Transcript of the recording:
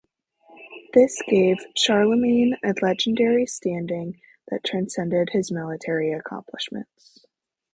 This gave Charlemagne a legendary standing that transcended his military accomplishments.